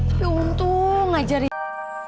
tapi untung aja dia